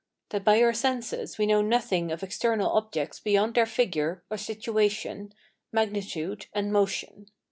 That by our senses we know nothing of external objects beyond their figure [or situation], magnitude, and motion.